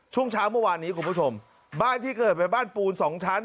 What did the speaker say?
ช่วงเช้าเมื่อวานนี้คุณผู้ชมบ้านที่เกิดเป็นบ้านปูนสองชั้น